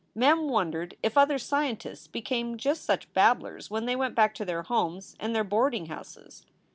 Mem wondered if other scientists became just such babblers when they went back to their homes and their boarding houses.